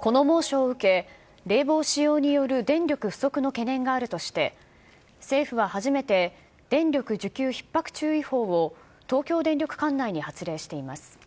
この猛暑を受け、冷房使用による電力不足の懸念があるとして、政府は初めて、電力需給ひっ迫注意報を東京電力管内に発令しています。